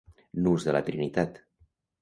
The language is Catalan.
Nus de la Trinitat.